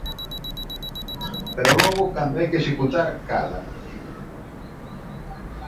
Pero logo, cando hai que executar, cala.